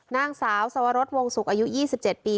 นางสาวสวรสวงศุกร์อายุ๒๗ปี